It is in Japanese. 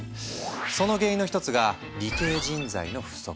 その原因の一つが理系人材の不足。